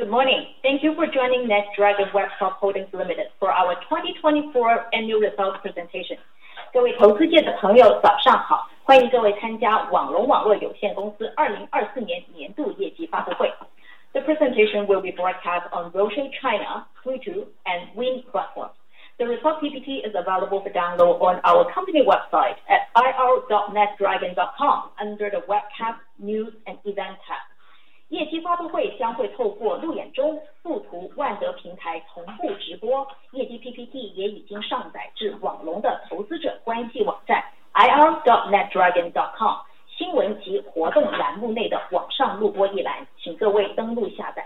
Good morning. Thank you for joining NetDragon Websoft Holdings Limited for our 2024 annual results presentation. 各位投资界的朋友，早上好。欢迎各位参加网龙网络有限公司2024年年度业绩发布会。The presentation will be broadcast on Virtual China, Futu, and Wind platforms. The results PPT is available for download on our company website at ir.netdragon.com under the Webcast News and Event tab. 业绩发布会将会透过路演中富途万德平台同步直播。业绩PPT也已经上载至网龙的投资者关系网站ir.netdragon.com，新闻及活动栏目内的网上录播一栏，请各位登录下载。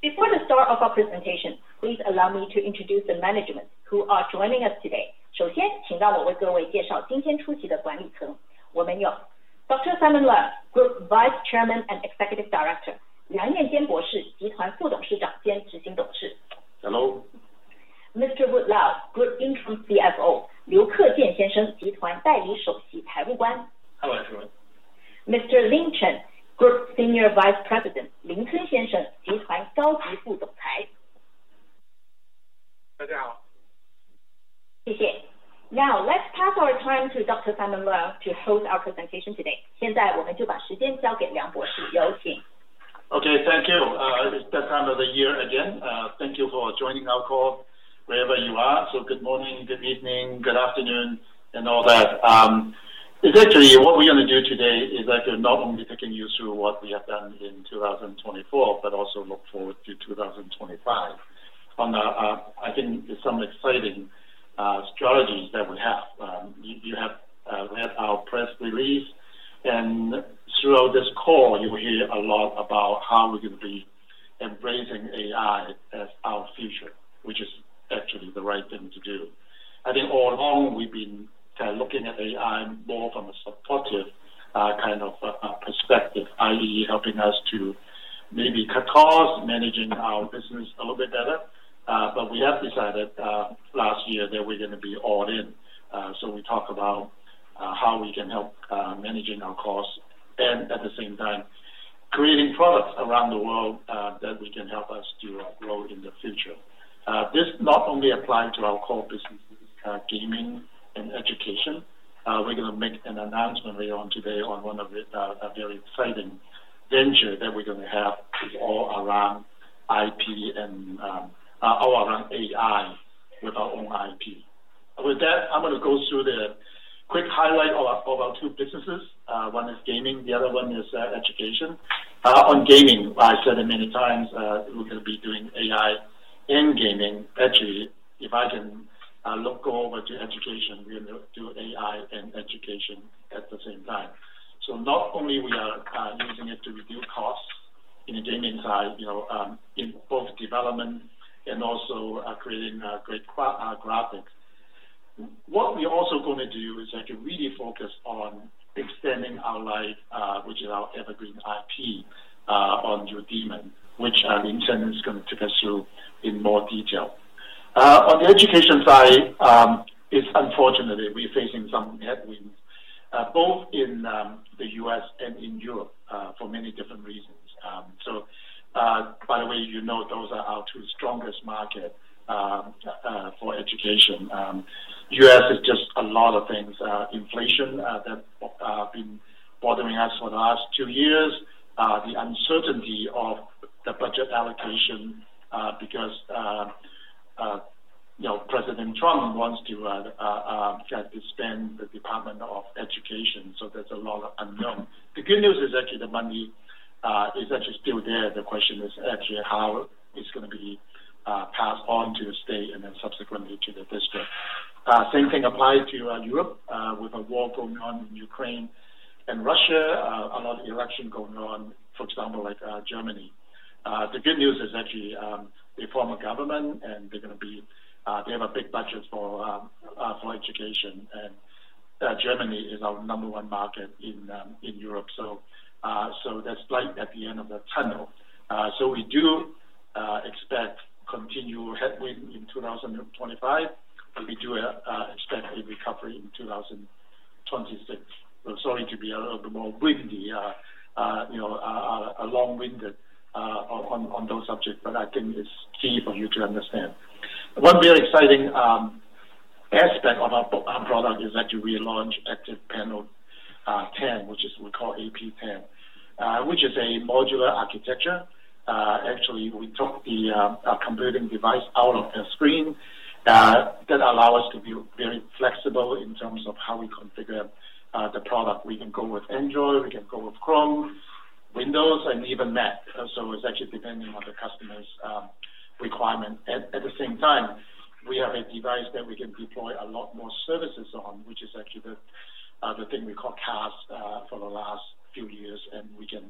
Before the start of our presentation, please allow me to introduce the management who are joining us today. 首先请让我为各位介绍今天出席的管理层。我们有Dr. Simon Leung, Group Vice Chairman and Executive Director. 梁彦坚博士，集团副董事长兼执行董事。Hello. Mr. Wood Lau, Group Interim CFO. 刘克建先生，集团代理首席财务官。Hello, everyone. Mr. Lin Chen, Group Senior Vice President。林村先生，集团高级副总裁。大家好。谢谢。Now, let's pass our time to Dr. Simon Leung to host our presentation today. 现在我们就把时间交给梁博士，有请。Okay, thank you. It's that time of the year again. Thank you for joining our call wherever you are. Good morning, good evening, good afternoon, and all that. What we're going to do today is not only take you through what we have done in 2024, but also look forward to 2025. I think there are some exciting strategies that we have. You have read our press release, and throughout this call, you will hear a lot about how we're going to be embracing AI as our future, which is the right thing to do. I think all along we've been looking at AI more from a supportive perspective, helping us to maybe cut costs, managing our business a little bit better. But we have decided last year that we're going to be all in. We talk about how we can help manage our costs and at the same time create products around the world that can help us to grow in the future. This not only applies to our core businesses, gaming and education. We're going to make an announcement later on today on one of the very exciting ventures that we're going to have all around IP and all around AI with our own IP. With that, I'm going to go through the quick highlights of our two businesses. One is gaming, the other one is education. On gaming, I said it many times, we're going to be doing AI and gaming. If I can go over to education, we're going to do AI and education at the same time. Not only are we using it to reduce costs in the gaming side, in both development and also creating great graphics. What we're also going to do is focus on extending our light, which is our evergreen IP on Eudemons, which Lin Chen is going to take us through in more detail. On the education side, unfortunately, we're facing some headwinds both in the US and in Europe for many different reasons. By the way, those are our two strongest markets for education. The US is just a lot of things. Inflation that has been bothering us for the last two years, the uncertainty of the budget allocation because President Trump wants to expand the Department of Education. There's a lot of unknown. The good news is the money is still there. The question is how it's going to be passed on to the state and then subsequently to the district. Same thing applies to Europe with a war going on in Ukraine and Russia, a lot of elections going on, for example, like Germany. The good news is the former government and they're going to be they have a big budget for education. Germany is our number one market in Europe. That's light at the end of the tunnel. We do expect continued headwinds in 2025, but we do expect a recovery in 2026. Sorry to be a little bit more windy, a long-winded on those subjects, but I think it's key for you to understand. One very exciting aspect of our product is we launched Active Panel 10, which is what we call AP10, which is a modular architecture. We took the computing device out of the screen that allows us to be very flexible in terms of how we configure the product. We can go with Android, we can go with Chrome, Windows, and even Mac. It's depending on the customer's requirement. At the same time, we have a device that we can deploy a lot more services on, which is the thing we call CAS for the last few years, and we can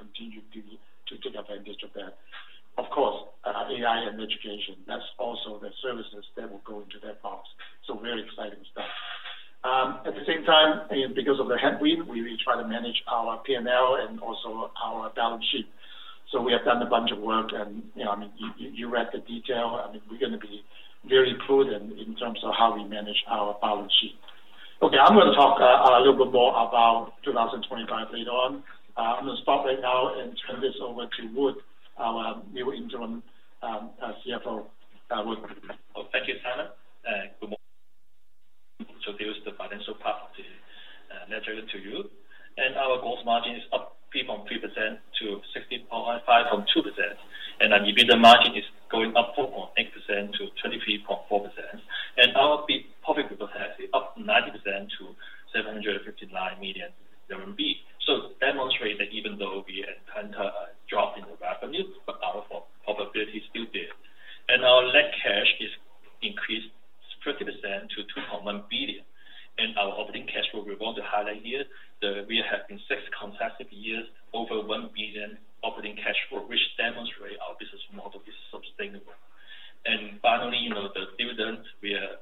continue to take advantage of that. Of course, AI and education, that's also the services that will go into that box. Very exciting stuff. At the same time, because of the headwind, we try to manage our P&L and also our balance sheet. We have done a bunch of work, and I mean, you read the detail. We're going to be very prudent in terms of how we manage our balance sheet. Okay, I'm going to talk a little bit more about 2025 later on. I'm going to stop right now and turn this over to Wood, our new interim CFO. Thank you, Simon. Good morning. There's the financial path to NetDragon for you. Our gross margin is up 3.3% to 65.2%. Our dividend margin is going up 4.8% to 23.4%. Our profitability is up 90% to ¥759 million. This demonstrates that even though we had a drop in the revenue, our profitability is still there. Our net cash is increased 30% to ¥2.1 billion. Our operating cash flow, we want to highlight here, we have in six consecutive years over ¥1 billion operating cash flow, which demonstrates our business model is sustainable. Finally, the dividends, we have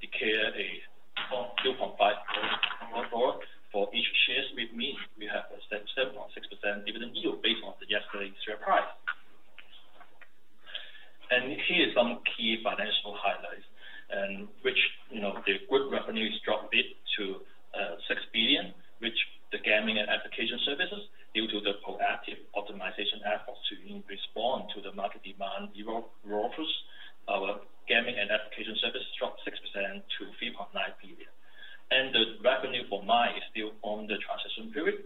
declared HK$2.5 for each share. We have a 7.6% dividend yield based on yesterday's share price. Here are some key financial highlights. The total revenue is dropped a bit to ¥6 billion, with the gaming and application services due to the proactive optimization efforts to respond to the market demand. Our gaming and application service dropped 6% to ¥3.9 billion. The revenue for MAI is still in the transition period.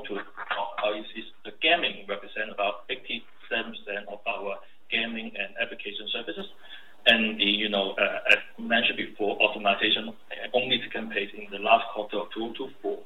The revenue is dropped by 17% to ¥2.1 billion. But our gross margin is still improved from 3.3% to 65.2%. The OPEX remains stable with the OPEX around ¥3.3 billion, which is about the same as last year. We remember that we increased our AI initiatives to control the cost. That means we can pace the cost optimization in the last quarter of 2024,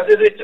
which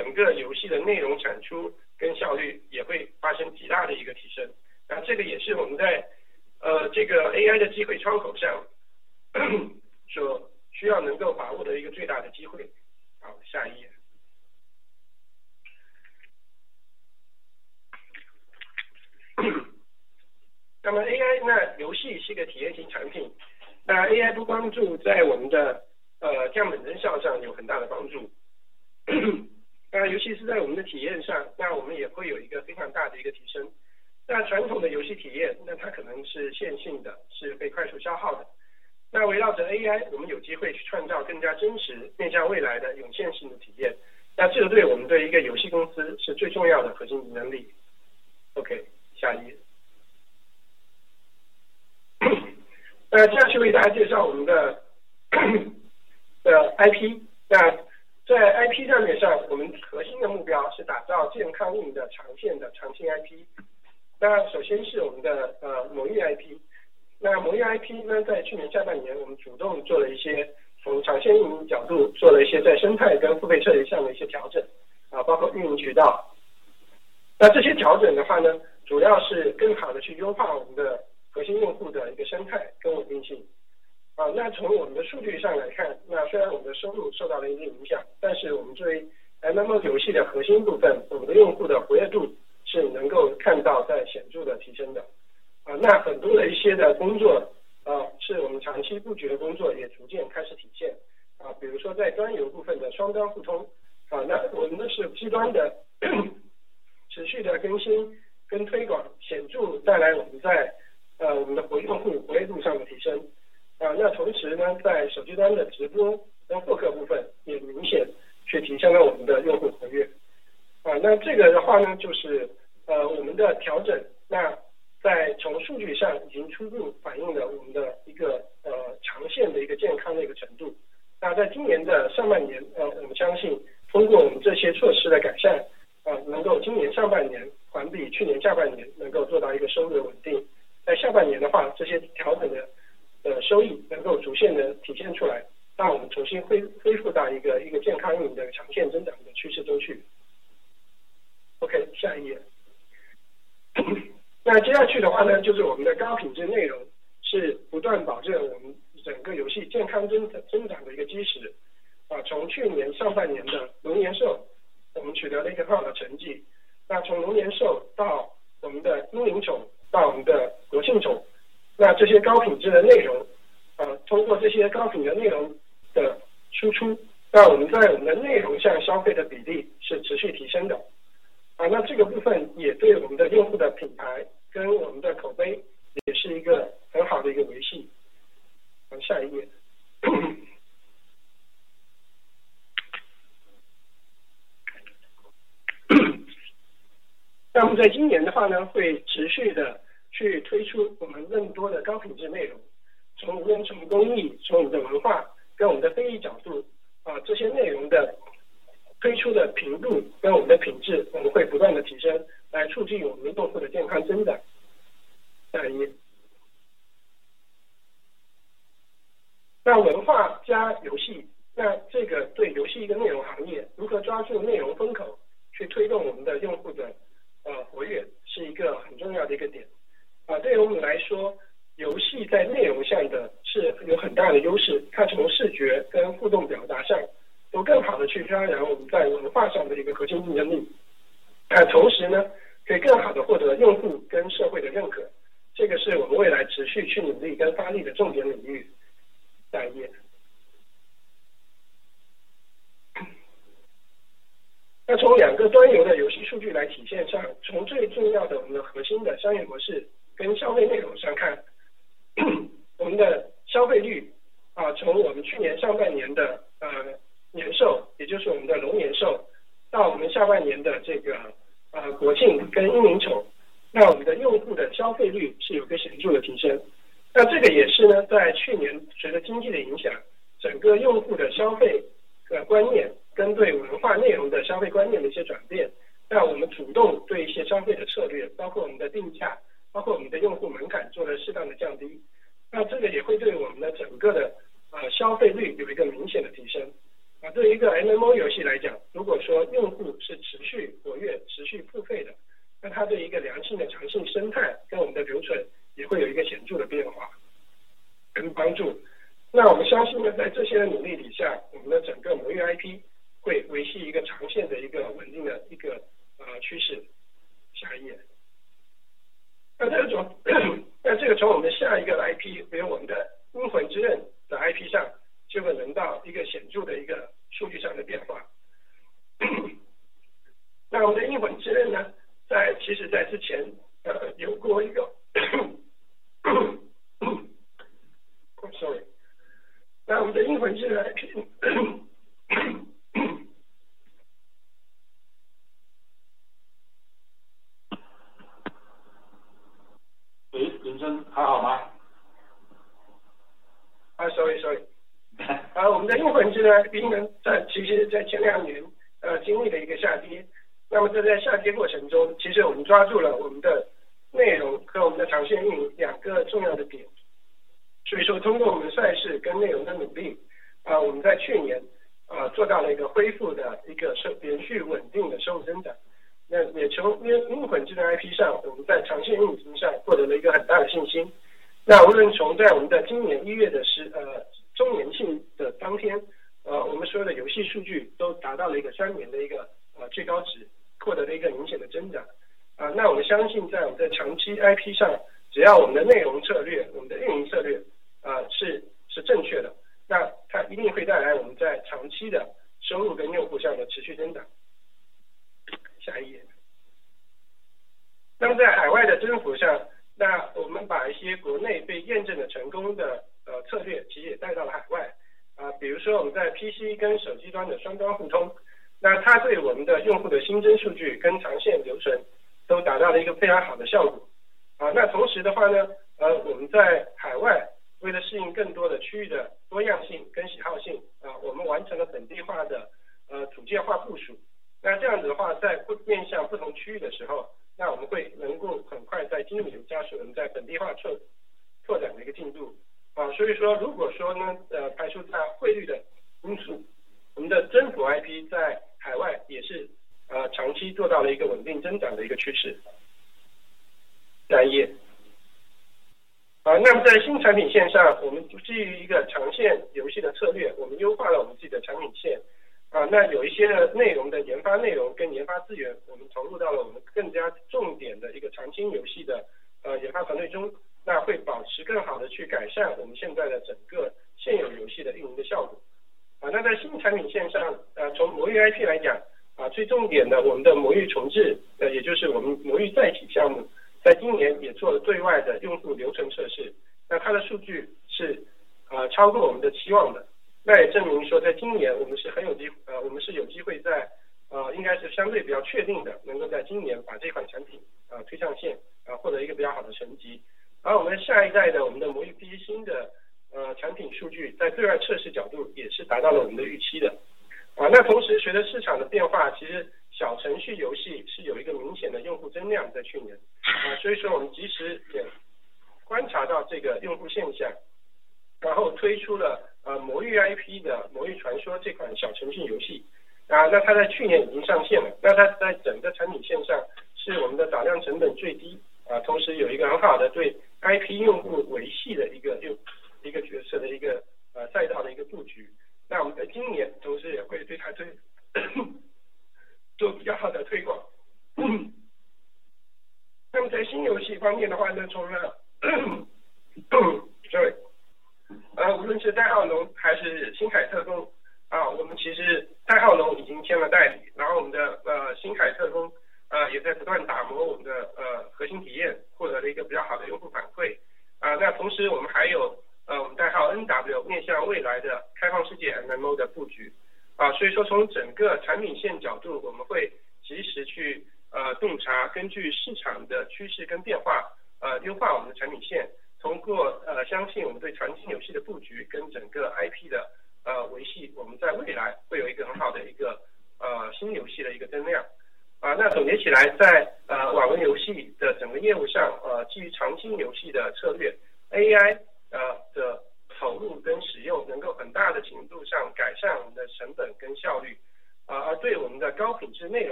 means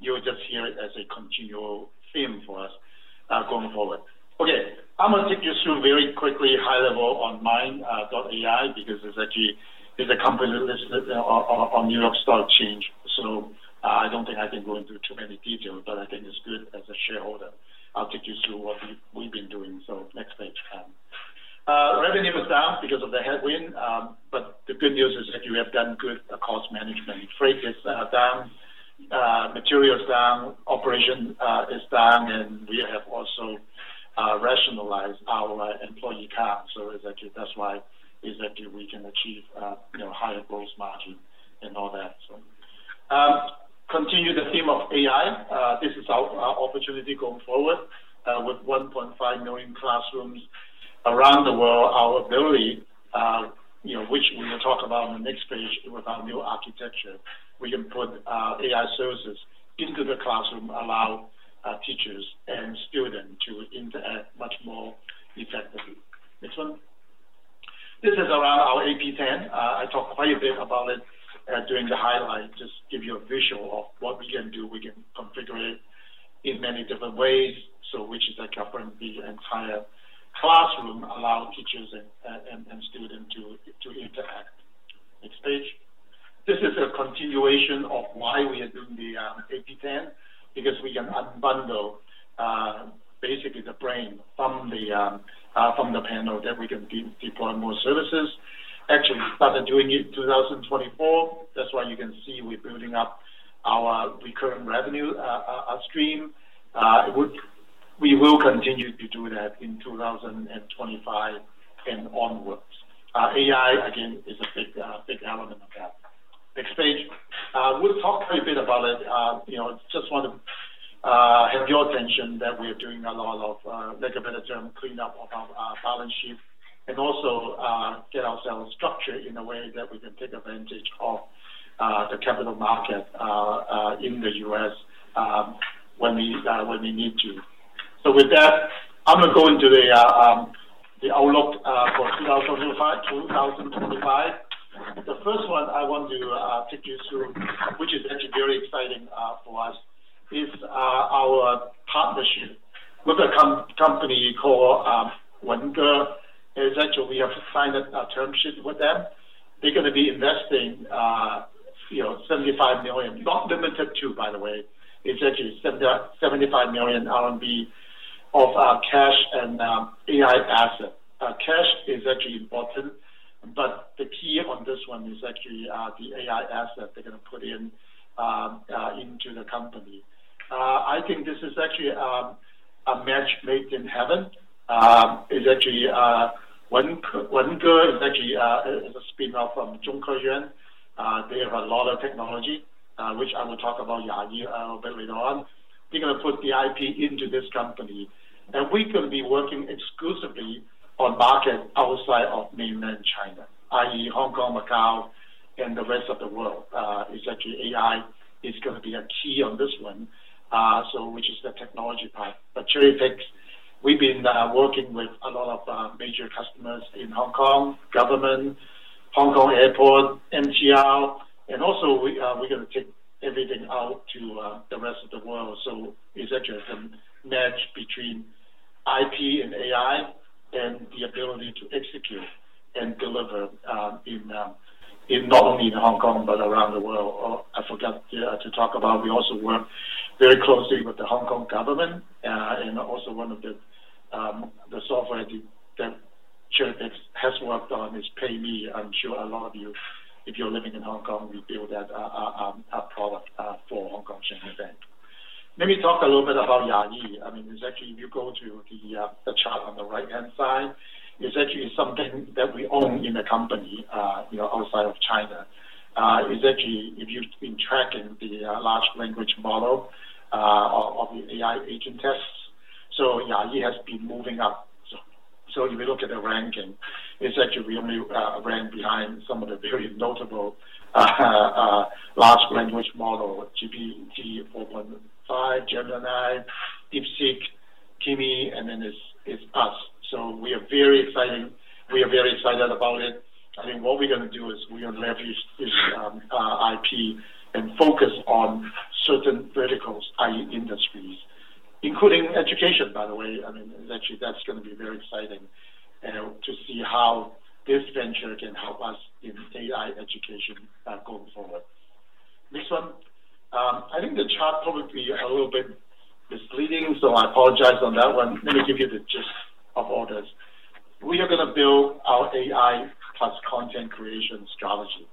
You will just hear it as a continual theme for us going forward. Okay, I'm going to take you through very quickly high level on Mynd.ai because it's actually a company listed on New York Stock Exchange. I don't think I can go into too many details, but I think it's good as a shareholder. I'll take you through what we've been doing. Next page. Revenue is down because of the headwind, but the good news is that you have done good cost management. Freight is down, materials down, operation is down, and we have also rationalized our employee car. That's why we can achieve higher gross margin and all that. Continue the theme of AI. This is our opportunity going forward with 1.5 million classrooms around the world. Our ability, which we will talk about on the next page with our new architecture, we can put AI services into the classroom, allow teachers and students to interact much more effectively. Next one. This is around our AP10. I talked quite a bit about it during the highlight. Just give you a visual of what we can do. We can configure it in many different ways, which is that can bring the entire classroom, allow teachers and students to interact. Next page. This is a continuation of why we are doing the AP10 because we can unbundle basically the brain from the panel that we can deploy more services. Actually, started doing it in 2024. That's why you can see we're building up our recurrent revenue stream. We will continue to do that in 2025 and onwards. AI, again, is a big element of that. Next page. We'll talk quite a bit about it. Just want to have your attention that we are doing a lot of, make a better term, clean up of our balance sheet and also get ourselves structured in a way that we can take advantage of the capital market in the US when we need to. With that, I'm going to go into the outlook for 2025. The first one I want to take you through, which is actually very exciting for us, is our partnership with a company called Wenge. It's actually we have signed a term sheet with them. They're going to be investing $75 million, not limited to, by the way. It's actually $75 million RMB of cash and AI asset. Cash is actually important, but the key on this one is actually the AI asset they're going to put into the company. I think this is actually a match made in heaven. Wenge is actually a spinoff from Zhong Keyuan. They have a lot of technology, which I will talk about a little bit later on. They're going to put the IP into this company. We're going to be working exclusively on market outside of mainland China, i.e., Hong Kong, Macau, and the rest of the world. It's actually AI is going to be a key on this one, which is the technology part. But Cherry Pick, we've been working with a lot of major customers in Hong Kong, government, Hong Kong airport, MTR, and also we're going to take everything out to the rest of the world. It's actually a match between IP and AI and the ability to execute and deliver not only in Hong Kong, but around the world. I forgot to talk about. We also work very closely with the Hong Kong government. Also one of the software that Cherry Pick has worked on is PayMe. I'm sure a lot of you, if you're living in Hong Kong, you built that product for Hong Kong Shanghai Bank. Let me talk a little bit about Yahyi. I mean, it's actually if you go to the chart on the right-hand side, it's actually something that we own in the company outside of China. It's actually, if you've been tracking the large language model of the AI agent tests, Yahyi has been moving up. If you look at the ranking, it's actually we only rank behind some of the very notable large language models, GPT-4.5, Gemini, DeepSeek, Kimmy, and then it's us. We are very excited about it. I think what we're going to do is we're going to leverage this IP and focus on certain verticals, i.e., industries, including education, by the way. I mean, actually that's going to be very exciting to see how this venture can help us in AI education going forward. Next one. I think the chart probably a little bit misleading, I apologize on that one. Let me give you the gist of all this. We are going to build our AI plus content creation strategy.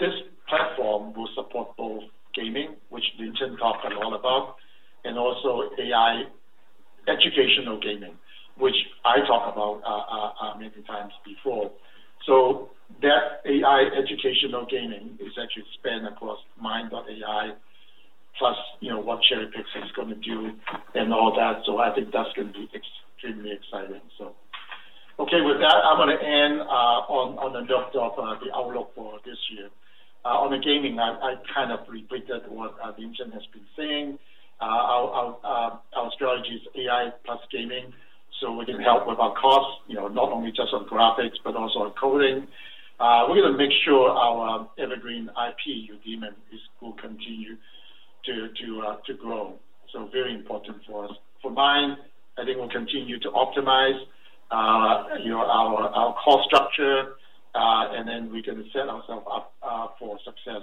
This platform will support both gaming, which Lin Chen talked a lot about, and also AI educational gaming, which I talked about many times before. AI educational gaming is actually spanned across Mynd.ai plus what Cherry Pick is going to do and all that. I think that's going to be extremely exciting. Okay, with that, I'm going to end on the note of the outlook for this year. On the gaming, I kind of repeated what Lin Chen has been saying. Our strategy is AI plus gaming. We can help with our costs, not only just on graphics, but also on coding. We're going to make sure our evergreen IP, Eudemons, will continue to grow. Very important for us. For Mine, I think we'll continue to optimize our cost structure, and then we can set ourselves up for success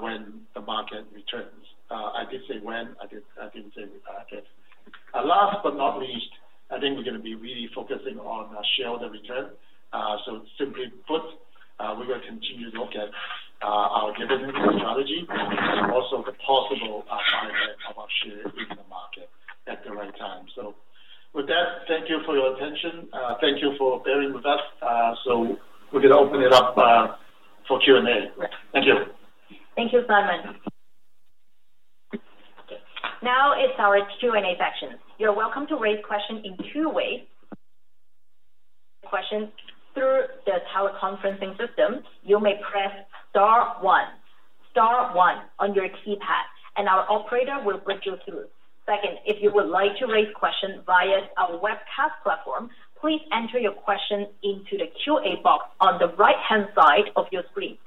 when the market returns. I did say when. I didn't say if the market. Last but not least, I think we're going to be really focusing on shareholder return. Simply put, we're going to continue to look at our dividend strategy and also the possible buyback of our share in the market at the right time. With that, thank you for your attention. Thank you for bearing with us. We're going to open it up for Q&A. Thank you. Thank you so much. Now it's our Q&A section. You're welcome to raise questions in two ways. For questions through the teleconferencing system, you may press Star 1, Star 1 on your keypad, and our operator will break you through. Second, if you would like to raise questions via our webcast platform, please enter your question into the Q&A box on the right-hand side of your screen.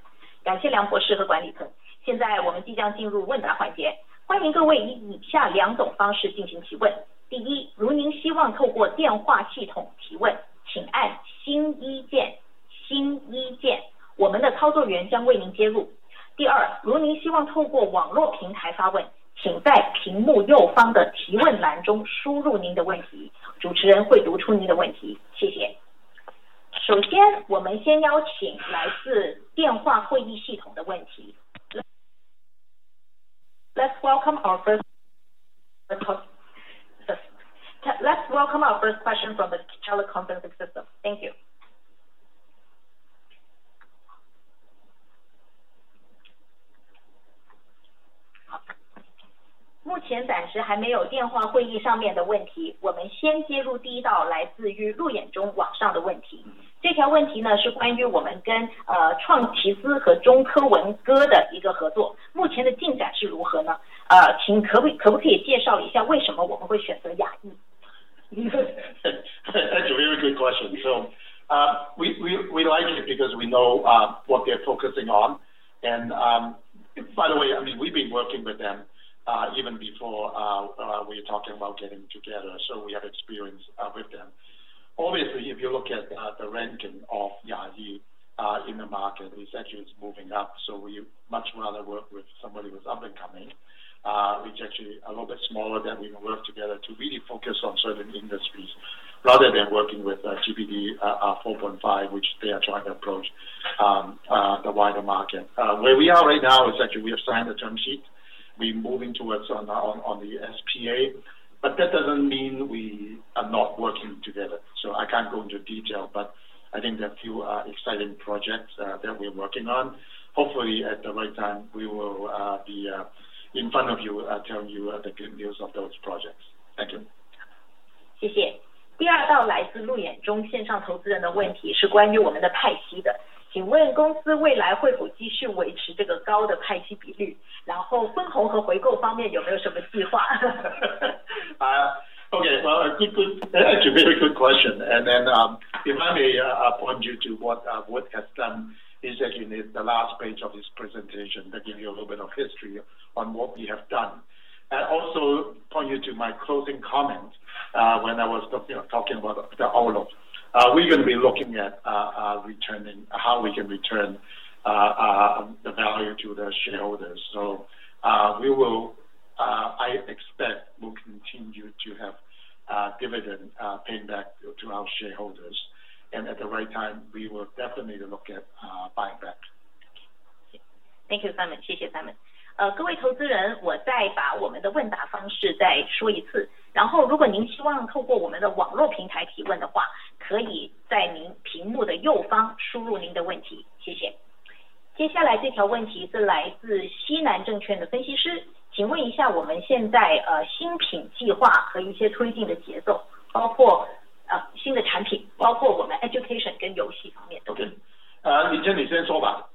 感谢两位的问答环节。现在我们即将进入问答环节。欢迎各位以以下两种方式进行提问。第一，如您希望透过电话系统提问，请按星一键，星一键。我们的操作员将为您接入。第二，如您希望透过网络平台发问，请在屏幕右方的提问栏中输入您的问题。主持人会读出您的问题。谢谢。首先我们先邀请来自电话会议系统的问题。Let's welcome our first question from the teleconferencing system. Thank you. 目前暂时还没有电话会议上面的问题。我们先接入第一道来自于路演中网上的问题。这条问题是关于我们跟创奇思和中科文哥的一个合作。目前的进展是如何呢？请可不可以介绍一下为什么我们会选择雅意？ That's a very good question. We like it because we know what they're focusing on. By the way, we've been working with them even before we're talking about getting together. We have experience with them. Obviously, if you look at the ranking of Yahyi in the market, it's actually moving up. We much rather work with somebody who's up and coming, which is actually a little bit smaller than we work together to really focus on certain industries rather than working with GPD 4.5, which they are trying to approach the wider market. Where we are right now is actually we have signed a term sheet. We're moving towards on the SPA, but that doesn't mean we are not working together. I can't go into detail, but I think there are a few exciting projects that we're working on. Hopefully, at the right time, we will be in front of you telling you the good news of those projects. Thank you. 谢谢。第二道来自路演中线上投资人的问题是关于我们的派息的。请问公司未来会否继续维持这个高的派息比率？然后分红和回购方面有没有什么计划？ Well, a very good question. If I may point you to what has done, it's actually the last page of his presentation that gives you a little bit of history on what we have done. I also point you to my closing comment when I was talking about the outlook. We're going to be looking at how we can return the value to the shareholders. So we will, I expect, continue to have dividend payback to our shareholders. At the right time, we will definitely look at buying back. Thank you so much. Thank you so much. 各位投资人，我再把我们的问答方式再说一次。如果您希望透过我们的网络平台提问的话，可以在您屏幕的右方输入您的问题。谢谢。接下来这条问题是来自西南证券的分析师。请问一下我们现在新品计划和一些推进的节奏，包括新的产品，包括我们education跟游戏方面都有。对，林陈你先说吧。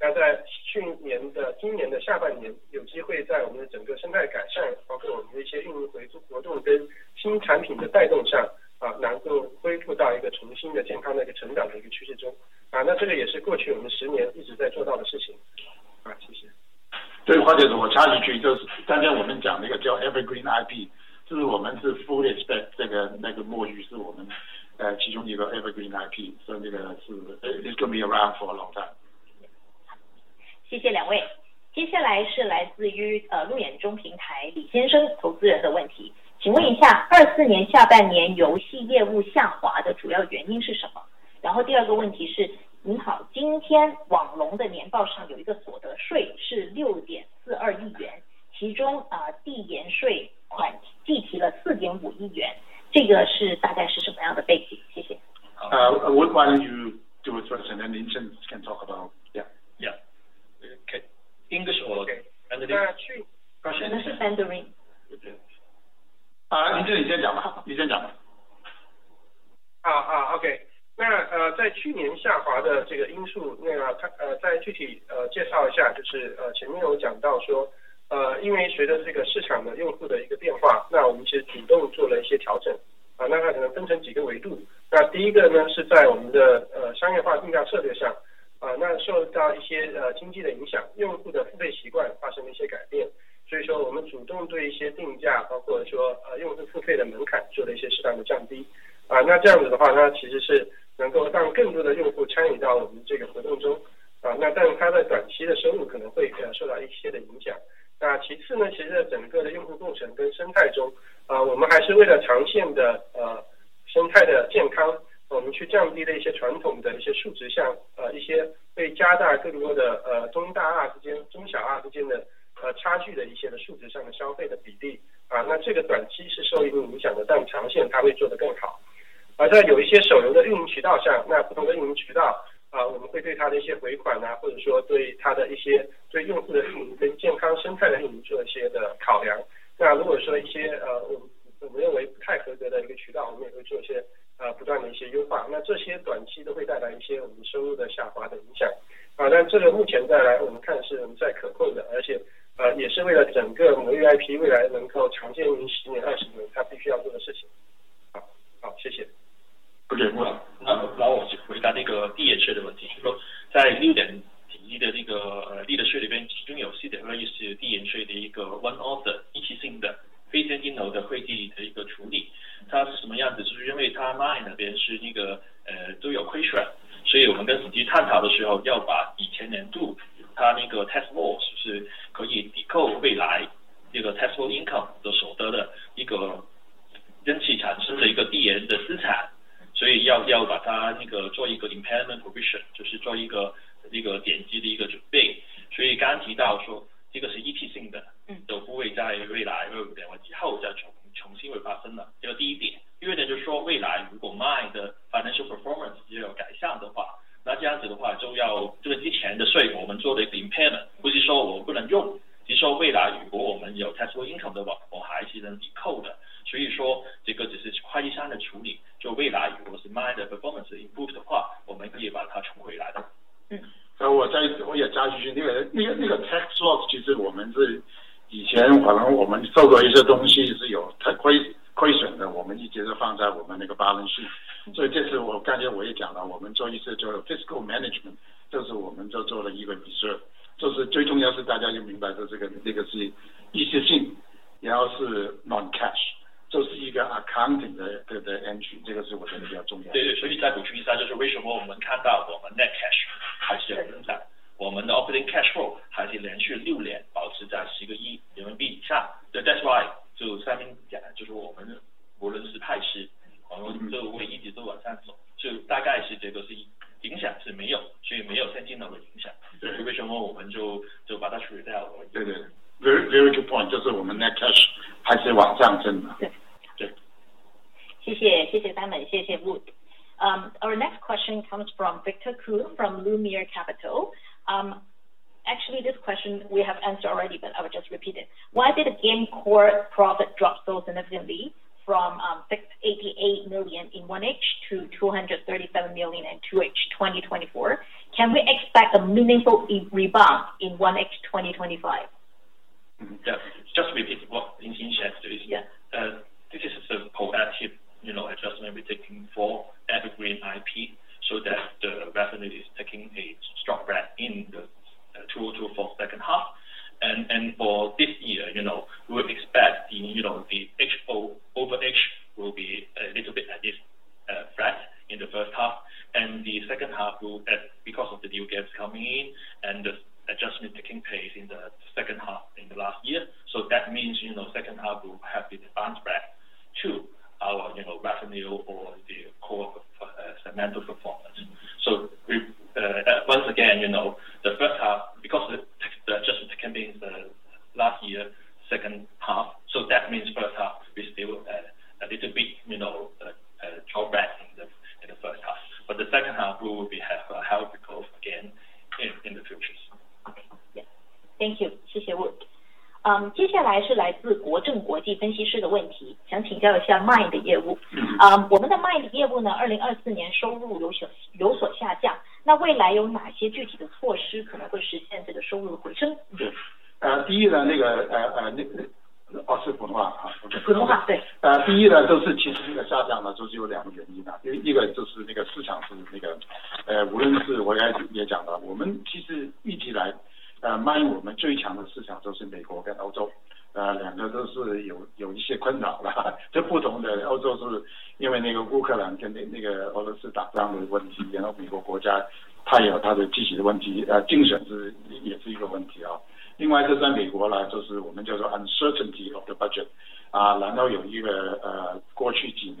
对，欢迎。我插一句，刚才我们讲那个叫evergreen IP，就是我们是fully spec那个魔域是我们其中一个evergreen IP，所以那个是it's going to be around for a long time。谢谢两位。接下来是来自于路演中平台李先生投资人的问题。请问一下2024年下半年游戏业务下滑的主要原因是什么？然后第二个问题是您好，今天网龙的年报上有一个所得税是¥6.42亿元，其中递延税款计提了¥4.5亿元，这个是大概是什么样的背景？谢谢。We're planning to do a question, and Lin Chen can talk about it. Yeah. Okay. English or Mandarin? Three questions. Lin Chen, you can talk. Lin Chen, you can talk. 1H to $237 million in 2H 2024? Can we expect a meaningful rebound in 1H 2025? Yeah, just to be clear in shares, this is a proactive adjustment we're taking for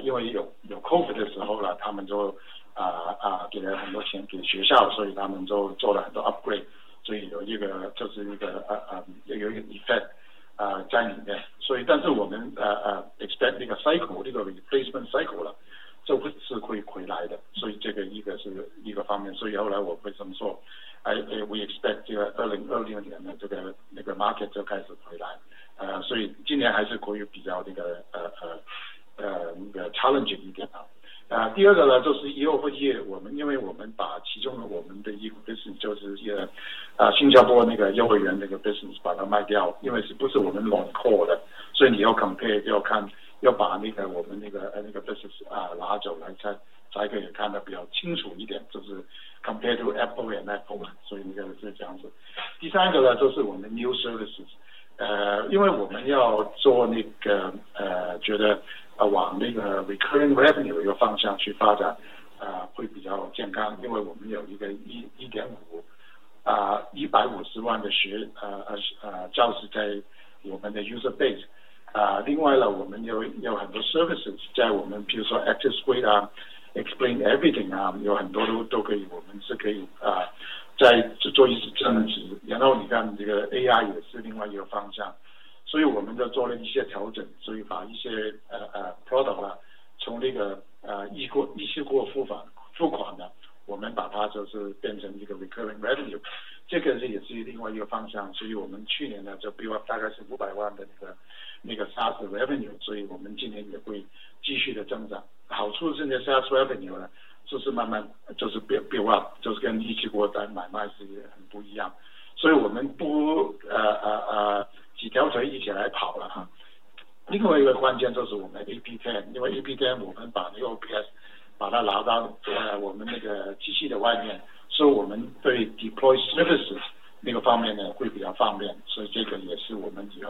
evergreen IP so that the revenue is taking a strong breath in the 2024 second half. For this year, we expect the overall will be a little bit at least flat in the first half. The second half will, because of the new games coming in and the adjustment taking place in the second half in the last year, so that means second half will have the advance breath to our revenue or the core of our financial performance. Once again, the first half, because the adjustment came in the last year, second half, so that means first half we still a little bit dropped back in the first half. But the second half will be helpful again in the future. Thank you. 谢谢Wood。接下来是来自国政国际分析师的问题，想请教一下Mine的业务。我们的Mine的业务2024年收入有所下降，那未来有哪些具体的措施可能会实现这个收入的回升？ 对，第一，那个二次普通话。普通话，对。第一，就是其实那个下降就是有两个原因。第一个就是那个市场是那个，无论是我刚才也讲了，我们其实一直以来Mine我们最强的市场就是美国跟欧洲，两个都是有一些困扰的。这不同的，欧洲是因为那个乌克兰跟那个俄罗斯打仗的问题，然后美国国家它也有它的自己的问题，经济也是一个问题。另外就在美国，就是我们叫做uncertainty of the budget，然后有一个过去几年那个，因为有COVID的时候，他们就给了很多钱给学校，所以他们就做了很多upgrade，所以有一个就是一个有一个effect在里面。所以但是我们expect那个cycle，那个replacement cycle就是会回来的，所以这个一个是一个方面。所以后来我会怎么做，we expect 2026年的这个market就开始回来，所以今年还是会比较那个challenging一点。第二个就是1月或1月，我们因为我们把其中我们的一个business就是新加坡那个幼儿园那个business把它卖掉，因为不是我们long core的，所以你要compare，要看，要把那个我们那个business拿走来才可以看得比较清楚一点，就是compare to apple and apple，所以那个是这样子。第三个就是我们new services，因为我们要做那个觉得往那个recurring revenue一个方向去发展，会比较健康，因为我们有一个150万的教师在我们的user base。另外我们有很多services在我们譬如说active screen，explain everything，有很多都可以，我们是可以再做一次增值，然后你看这个AI也是另外一个方向。所以我们就做了一些调整，所以把一些product从那个一些过付款，我们把它就是变成一个recurring revenue，这个也是另外一个方向。所以我们去年就build up大概是$500万的那个SaaS revenue，所以我们今年也会继续的增长。好处是那个SaaS revenue就是慢慢就是build up，就是跟一次过在买卖是一个很不一样。所以我们不几条腿一起来跑了。另外一个关键就是我们APTM，因为APTM我们把那个OPS把它拿到我们那个机器的外面，所以我们对deploy services那个方面会比较方便。所以这个也是我们以后一个growth的factor。谢谢三本。接下来这条问题是来自中信证券的分析师，您刚刚其实也部分回答了他的问题。他也想再请问一下2025年我们在这个教育硬件跟SaaS上面有没有一个清楚一点的guidance，还有一些改造一下。我们就是一向都在那个core的booklet guidance，很不好意思。谢谢。那我在这边再一次提醒各位投资人，如您希望透过我们的网络平台发问的话，请您在您的屏幕右方的这个提问栏里面输入您的问题。然后如果您希望透过电话系统提问的话，请拨星一键，星一键，谢谢。下一条问题有一条是关于我们在AI方面的一个问题。有一位乔先生他想要请教一下，就是我们教育AI现在其实是一个很大的在经济上面的进行一个推动。那接下来我知道我们就是有在我们整个跟教育方面也有一些想法，对教育AI可不可以再清楚的可能或者说详细解释一下一些方向性或者产品的推出。可以分两方面来看，就是一个就是因为我们老板行老本行是那个游戏，所以那个我们是说AI游戏加那个AI教育的游戏，所以我们会在那方面会花很多那个energy在里面。其实我们也可以leverage我们在那个游戏里面的发展，做一些给学生有兴趣可以跟他互动，然后一起学习的那个游戏，这个是一方面。另外就我刚才讲的很多事情都是在我们教室里面的，所以我们可以放很多AI的那个服务在里面，譬如说可以帮助老师那个备课，或者是改作业，或者是他到处里面的内容都可以帮忙，也可以帮忙学生在教室里面怎么跟老师来互动，或者是那个，因为我们有AI的话，我们就可以对每个学生他们都可以有personalize的那个帮助。这个是我觉得是在教育来讲可能是一个革命，这个就是我们那个方向。好，谢谢。谢谢三本。我们看到现在网络上面还有一些问题，就是那对，接下来有一条问题也是刚刚那位乔先生的补充，就是刚刚三本讲的我们AI加教育，然后他还想请问一下林村总，就是AI加游戏上面可能是不是可以再多说一些，就是除了我们传统在我们这些efficiency enhancement上面，比如说在产品推出上面我们有没有什么想法，谢谢。对，林村。OK，那我觉得分成两个方面，就主要就是说AI如何去创新跟改善用户体验。那第一个我觉得说已有的产品线，已有的产品线上，那其实AI还是能够帮助我们很好的去增强这个运营效果跟游戏体验的。那在运营效果上来讲，其实AI在一些这个流失预警，在提供更好的用户服务，在创造更多动态的内容上，包括生产上，它其实已经很明显达到这个成效。那在未来的话，这个部分的话会逐渐增强。那接下去就是一个新游戏的部分，那新游戏的部分的话，就是第一个是说我刚才讲到的智能NPC，因为我们最擅长的是MMO这个赛道，MMO赛道最重要的就是整个的代入感和这个用户的社交。那过去受限于我们整个的内容生产的模式，内容都是有限的，它其实更多是一个封闭式的一个系统。而在AI的赋能下，它对我们整个的世界构建的真实性也好，交互体验的一个内容量跟真实性做一个显著的提升。那这个AI游戏的这个方面，我们觉得一定在MMO赛道是一个非常大的机会。其次，我刚才其实有提到，就是说过去的社交可能是跟人与人之间的社交，那这时候来讲可能就是原来如果是竞争性的，那有人赢就有人输，那其实对它很难去控制这个给用户所有的用户一个良好的体验。而在AI的帮助下，用户跟在智能NPC构建的一个社会生态里，它会个人会找到更加适合自己的一个定位。而这时候来讲，用户体验就有一个比较大的一个提升。所以说在MMO赛道里，我们觉得说AI能够创新全新给用户更好的用户体验，那这是一个很大的一个机会。那同时在AI也会显著减少我们的试错成本，大家也看到我们的新品上任何公司都有一个项目成功率的一个压力。而AI基于AI的快速生产跟试错能够不断地帮我们去打磨更好的用户的体验，跟降低我们的试错成本，这就会让我们在这个新赛道跟新品类上有机会去更多做更多的尝试。那这些很多都是AI可以帮助我们做到的。谢谢。或者我也补充一下在那个AI教育里面，刚才我在那个presentation里面也提过那个AI生产线，这个其实是一个我们的基础，所以我们可以就按照每一个学生或者是老师的要求，我们或者国家的要求可以生产那个不同的内容，帮助我们老师跟学生。而其实最后我们可以利用教育来实现一个我觉得以后在未来教育非常重要的就是那个个性化的学习，这个是我们那个最终的目标。好，谢谢三本，谢谢林村总。接下来两条问题是关于我们的现金使用的一个想法，因为现在公司的现金净现金已经提升到¥21亿元了，那管理层在现金使用方面有没有什么想法呢？回购刚刚有提过，然后或者其他的一些想法。然后下一条他们也是追问就是我们现金这么多，会不会考虑优化一下我们的借款方面或者负债方面的一个情况。我简单就讲一下吧，我们有那么多现金，我们应该好好地利用它，回报我们的投资人，这个是一定的，什么机会我们都会看。另外就是优化我们的贷款，我要来说一下，我觉得因为比较复杂一点。因为可以想象是因为我们是那个国际性的公司，所以我们在内地跟海外都有业务，所以你可以看这样来讲，我们为什么现金那么多，我们还贷款。第一说从capital structure结构来讲，就没有存款其实不健康的，有一点存款还是好一点，这是第一个。第二个就是说我们是内地也有业务，海外也有业务，所以我们资金调配的话，一般我们有几个方式，第一个就是资金拆借，第二个就是内保外贷。所以我们过去20年是比较多做的是内保外贷，所以说是那个内保外贷的话，就是说我们内地把那个存款放给银行，我们海外做一个它的一些关联银行的借款，所以就把资金从国内去调配去海外这样做。所以几个方法我们一直都来做，每年的情况也不一样，就是看一些国内的经济环境，或者其他银行的提供的一些优惠政策，所以来去判断是怎么去操作的。所以我建议是投资界还是focus on我们的net cash。所以刚刚三本也提到我们几点就是说第一个net cash，无论是干了什么东西，请我们不是怎么讲，net cash还是上升的。第二点就是过去6年都是operating cash flow效果是一个正数，这是第一点。第二点就是说从IPO到现在，我们派的股息已经累计18块钱港币了。那这时候就我觉得投资界就不要太担心是说我们业绩怎么样了，反正说现在才我们上市大概就大概10块钱左右吧，我忘了这是IPO price，但我们现在派的股息已经累计当时的IPO的时候我们拿钱了。所以说老板一股都没卖，所以他是长期的投资者，他是希望透过股息享受公司的一些回报。所以为什么我们他们一直强调是说我们是一直回报股东的，我们是想透过这种方法去回报股东的，就是这个意思。真的最重要是在看net cash。谢谢两位。接下来我们接入今天最后一道问题，这个是关于我们2025年的cost control这个降本增效的这个问题，想看一下2025年还有哪些降本增效的策略，然后有没有实际的一个目标这样。第一其实那个成本降低了，我们这些其他项目，所以我们在去年已经有很多在做就是人员的那个数量，或者是怎么用AI来优化我们很多那个事情。因为举个例子，现在我们有可能很多的无论在游戏教育，只是用AI来帮我们写程序的已经是很普遍的一个事情，那个做美术也是。我觉得我们那个做成本优化，在一个全世界经济比较有挑战的情况下，我们一定会每天就看怎么可以省这个成本，这个我一定会做的。这个是无论是在游戏里面，或者是在教育里面，这个里面一定会有这个AI包含在里面的。因为这个我觉得我们看AI就是说你不拥抱它了，就是以后生活会比较困难一点。所以那个我们继续会做成本的一个调整。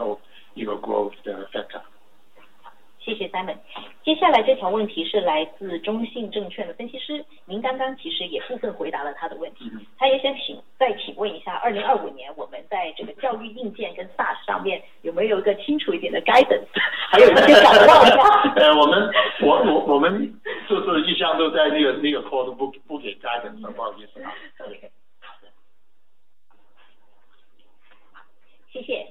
谢谢。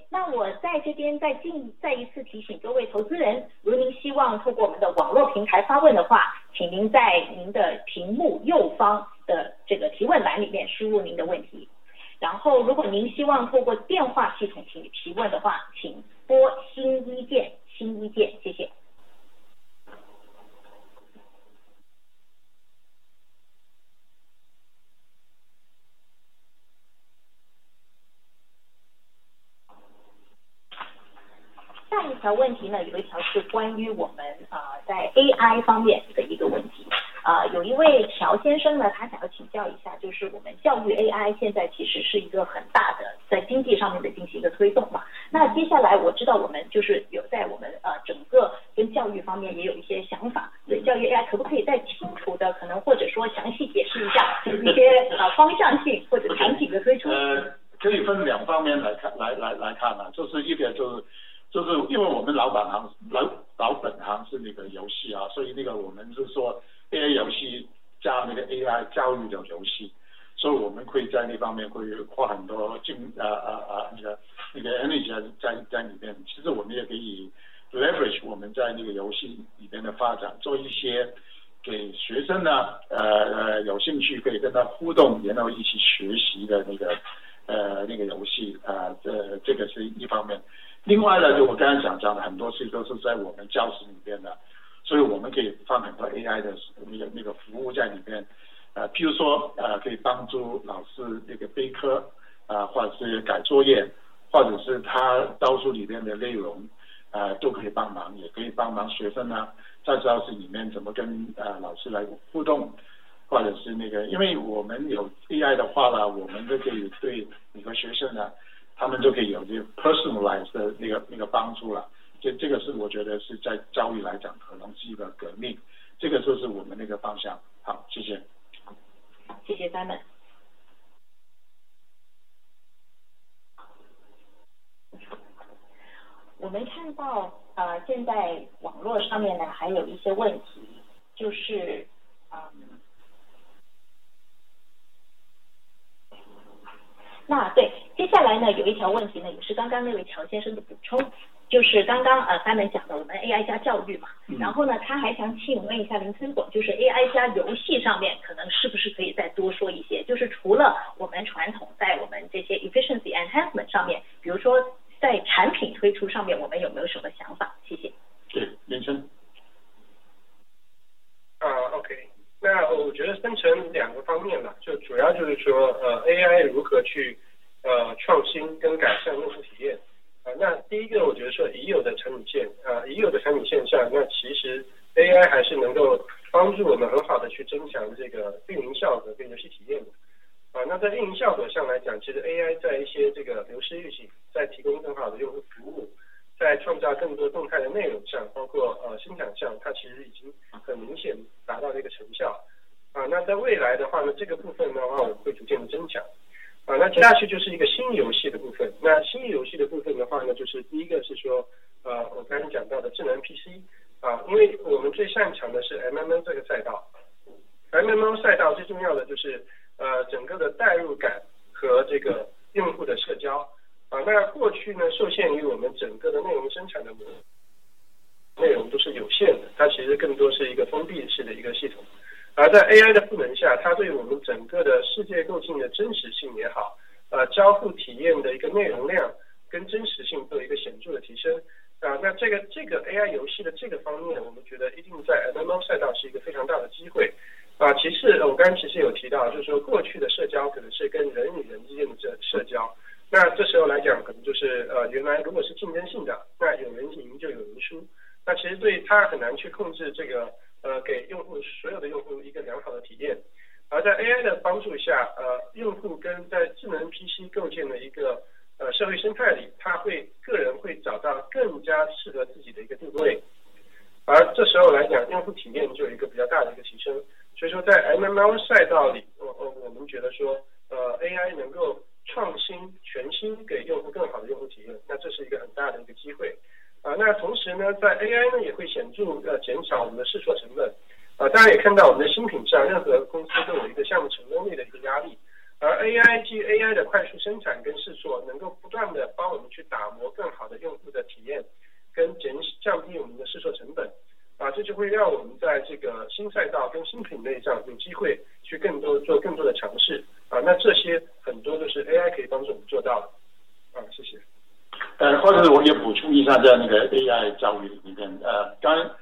谢谢，谢谢。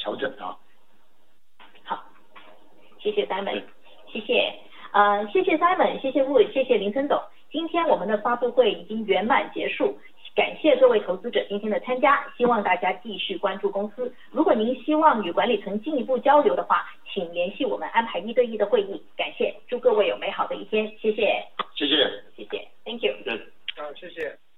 谢谢。谢谢。